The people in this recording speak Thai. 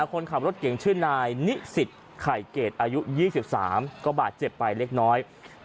คนขับรถเก่งชื่อนายนิสิตไข่เกรดอายุ๒๓ก็บาดเจ็บไปเล็กน้อย